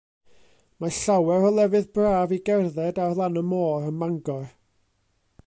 Mae llawer o lefydd braf i gerdded ar lan y môr ym Mangor.